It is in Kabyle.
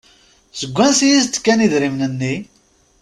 Seg ansi i s-d-kan idrimen-nni?